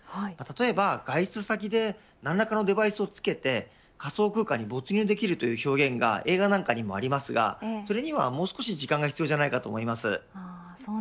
例えば、外出先でなんだかのデバイスをつけて仮想空間に没入できるという表現が映画にありますがそれにはもう少し時間が必要だと思います。